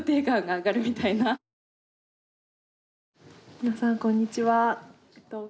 皆さんこんにちは。